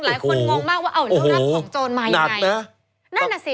หลายคนงงมากว่าเอาอย่างนั้นพร้อมรับของโจรมายังไง